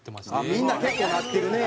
みんな結構やってるね！